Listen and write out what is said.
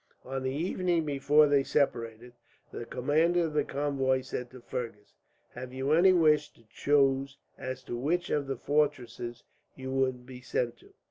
On the evening before they separated, the commander of the convoy said to Fergus: "Have you any wish to choose as to which of the fortresses you would be sent to?